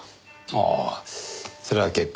ああそれは結構だ。